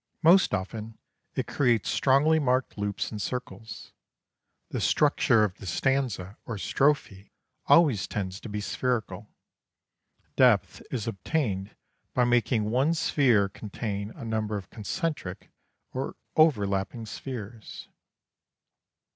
Most often it creates strongly marked loops and circles. The structure of the stanza or strophe always tends to the spherical. Depth is obtained by making one sphere contain a number of concentric, or overlapping spheres.